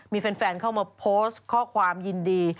มีแฟนเข้ามาโพสต์ข้อความยินดี